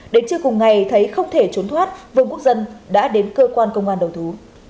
đến trưa cùng ngày thấy không thể trốn thoát vương quốc dân đã đến cơ quan công an đầu thú